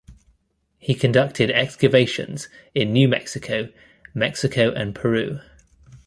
He conducted excavations in New Mexico, Mexico, and Peru.